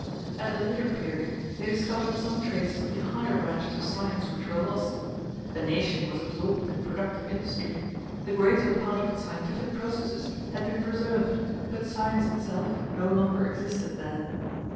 At a later period they discovered some traces of the higher branches of science which were lost. The nation was absorbed in productive industry: the greater part of its scientific processes had been preserved, but science itself no longer existed there.